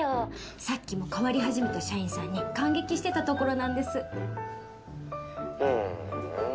さっきも変わり始めた社員さんに感激してたところなんですふーん